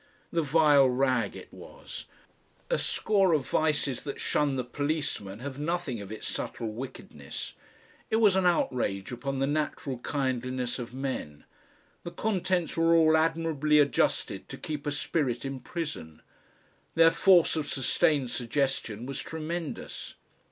The vile rag it was! A score of vices that shun the policeman have nothing of its subtle wickedness. It was an outrage upon the natural kindliness of men. The contents were all admirably adjusted to keep a spirit in prison. Their force of sustained suggestion was tremendous.